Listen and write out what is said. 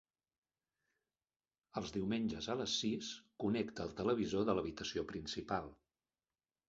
Els diumenges a les sis connecta el televisor de l'habitació principal.